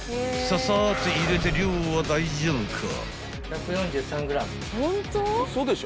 ［ササーッと入れて量は大丈夫か？］